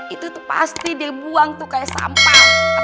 itu tuh pasti dibuang tuh kayak sampah